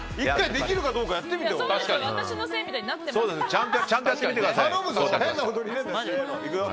できるかどうかやってみてよ。